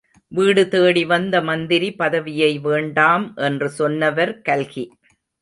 வீடு தேடிவந்த மந்திரி பதவியை வேண்டாம் என்று சொன்னவர் கல்கி.